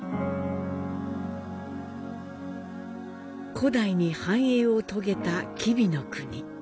古代に繁栄を遂げた吉備国。